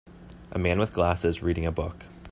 A man with glasses reading a book.